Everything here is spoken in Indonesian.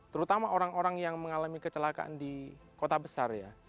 terutama orang orang yang mengalami kecelakaan di kota besar ya